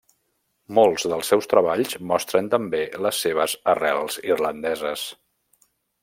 Molts dels seus treballs mostren també les seves arrels irlandeses.